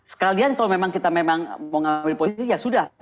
sekalian kalau memang kita memang mau ngambil posisi ya sudah